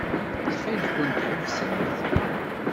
Ttxil-kent, ḥebsemt.